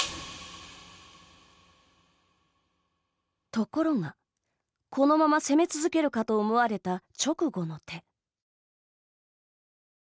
ところが、このまま攻め続けるかと思われた直後の手。